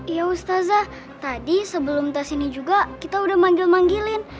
iya ustazah tadi sebelum tersini juga kita udah manggil manggilin